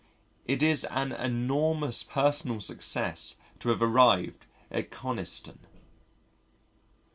It is an enormous personal success to have arrived at Coniston!